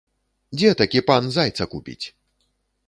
Дзе такі пан зайца купіць?!